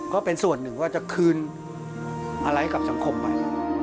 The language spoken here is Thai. ก็เป็นส่วนหนึ่งว่าจะคืนอะไรกับสังคมใหม่